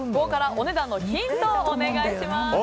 お値段のヒントをお願いします。